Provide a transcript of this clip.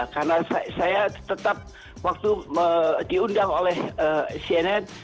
karena saya tetap waktu diundang oleh cnn